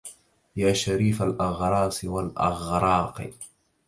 يا شريف الأغراس والأغراق